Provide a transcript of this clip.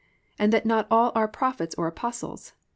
and that not all are Prophets or Apostles.